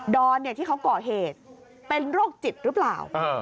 อนที่เขาก่อเหตุเป็นโรคจิตหรือเปล่า